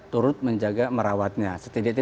turut menjaga merawatnya setidaknya